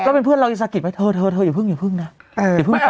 ก็เป็นเพื่อนเรากินศักดิ์ไหมเธอเธอเธออย่าเพิ่งอย่าเพิ่งนะเออ